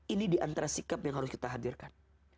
ini diantara sikap yang harus kita hadirkan